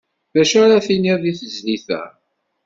D acu ara tiniḍ di tezlit-a?